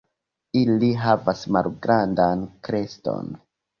Ili havas malgrandan kreston.